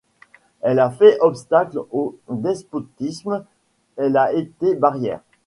Elle a fait obstacle au despotisme ; elle a été barrière.